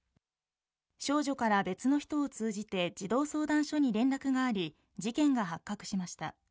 少女から別の人を通じて児童相談所に連絡があり事件が発覚しました。